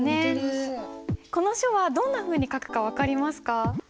この書はどんなふうに書くか分かりますか？